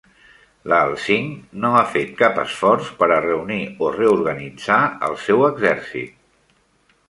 Lal Singh no ha fet cap esforç per a reunir o reorganitzar el seu exèrcit.